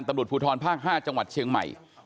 ตำรวจภูทรภาค๕จังหวัดเชียงใหม่